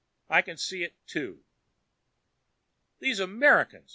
"I can see it, too." "These Americans!"